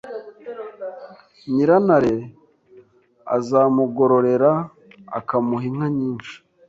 Nyirantare azamugororera akamuha inka nyinshi